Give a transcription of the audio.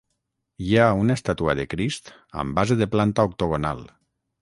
Hi ha una estàtua de Crist amb base de planta octogonal.